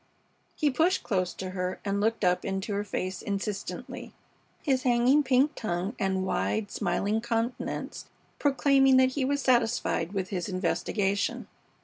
He pushed close to her and looked up into her face insistently, his hanging pink tongue and wide, smiling countenance proclaiming that he was satisfied with his investigation.